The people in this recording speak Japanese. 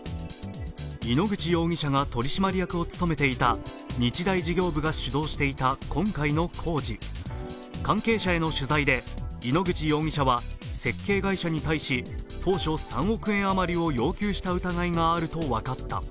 井ノ口容疑者が取締役を務めていた日大事業部が主導していた今回の工事、関係者への取材で井ノ口忠男容疑者は設計会社に対し当初３億円余りを要求した疑いがあることが分かった。